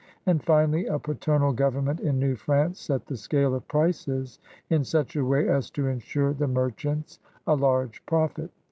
And> finally, a paternal government in New France set the scale of prices in such a way as to ensure the merchants a large profit.